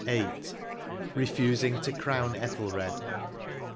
— VIII. REFUSING TO CROWN ETHELRED.